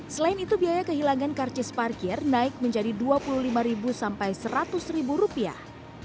selain itu biaya kehilangan karcis parkir naik menjadi dua puluh lima sampai seratus rupiah